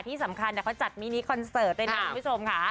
ที่สำคัญเขาจัดมินิคอนเสิร์ตด้วยนะคุณผู้ชมค่ะ